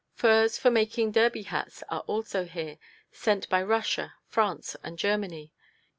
Furs for making derby hats are also here, sent by Russia, France and Germany.